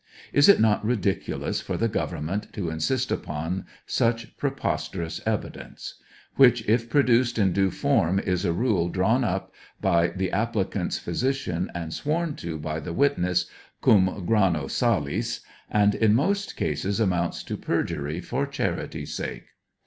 Is it not ridiculous for the government to insist upon such preposterous evidence ? Which, if produced in due form, is a rule drawn up by the applicant's phy sican, and sworn to by the witness — '"cam grano salis/' — and in most cases amounts to perjury for charity's sake.